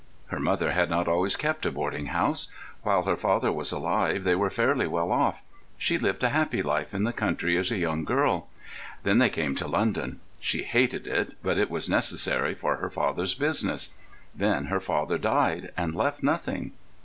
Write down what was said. Her mother had not always kept a boarding house. While her father was alive they were fairly well off; she lived a happy life in the country as a young girl. Then they came to London. She hated it, but it was necessary for her father's business. Then her father died, and left nothing.